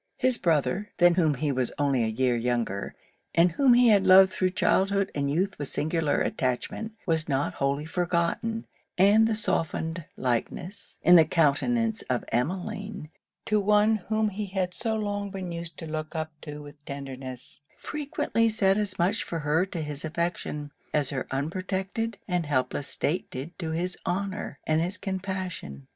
His brother, than whom he was only a year younger, and whom he had loved thro' childhood and youth with singular attachment, was not wholly forgotten; and the softened likeness, in the countenance of Emmeline, to one whom he had so long been used to look up to with tenderness, frequently said as much for her to his affection, as her unprotected and helpless state did to his honour and his compassion.